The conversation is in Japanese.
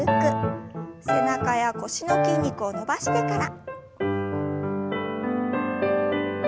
背中や腰の筋肉を伸ばしてから。